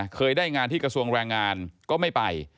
เคยได้งานที่กระทรวงแรงงานก็ไม่ไป